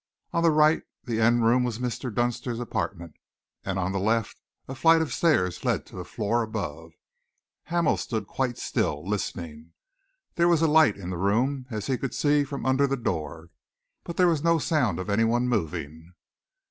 On the right, the end room was Mr. Dunster's apartment, and on the left a flight of stairs led to the floor above. Hamel stood quite still, listening. There was a light in the room, as he could see from under the door, but there was no sound of any one moving.